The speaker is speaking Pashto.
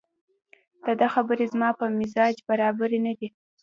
دده خبرې زما په مزاج برابرې نه دي